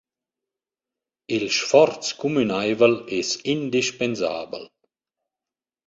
Il sforz cumünaivel es indispensabel.